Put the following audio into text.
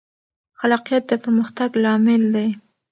خلاقیت د پرمختګ لامل دی.